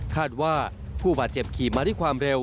คาดว่าผู้บาดเจ็บขี่มาด้วยความเร็ว